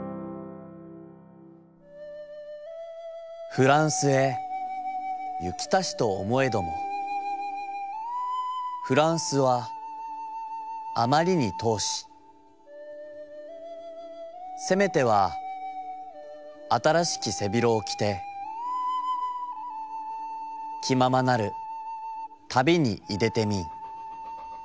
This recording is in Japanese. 「ふらんすへ行きたしと思へどもふらんすはあまりに遠しせめては新しき背廣をきてきままなる旅にいでてみん。